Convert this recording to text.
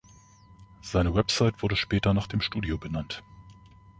Seine Website wurde später nach dem Studio benannt.